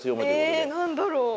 え何だろう？